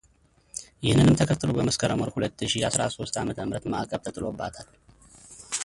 ይህንንም ተከትሎ በመስከረም ወር ሁለት ሺ አስራ ሶስት አመተ ምህረት ማዕቀብ ተጥሎባታል